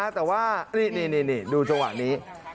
แต่ว่านี่ดูจังหวะนี้